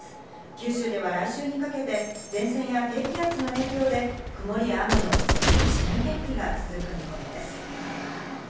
九州では来週にかけて前線や低気圧の影響で曇りや雨のスッキリしない天気が続く見込みです。